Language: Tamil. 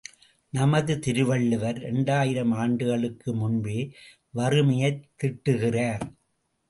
நமது திருவள்ளுவர் இரண்டாயிரம் ஆண்டுகளுக்கு முன்பே வறுமையைத் திட்டுகிறார்.